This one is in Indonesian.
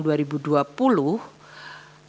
di lakukan perubahan perpres